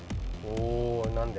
おお何で？